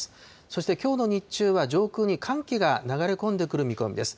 そしてきょうの日中は上空に寒気が流れ込んでくる見込みです。